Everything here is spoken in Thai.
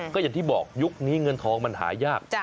ก็อย่างที่บอกยุคนี้เงินทองมันหายาก